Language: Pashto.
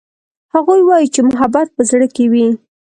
هغوی وایي چې محبت په زړه کې وي